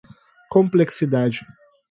complexidade